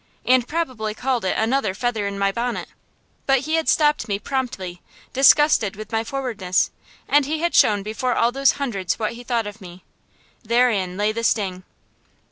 and probably called it another feather in my bonnet. But he had stopped me promptly, disgusted with my forwardness, and he had shown before all those hundreds what he thought of me. Therein lay the sting.